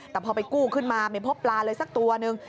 แต่พอไปกู้ขึ้นมาไม่พบปลาเลยสักตัวนึง